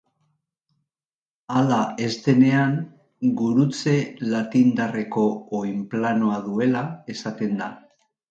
Hala ez denean, gurutze latindarreko oinplanoa duela esaten da.